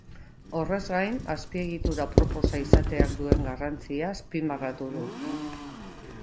Horrez gain, azpiegitura aproposa izateak duen garrantzia azpimarratu du.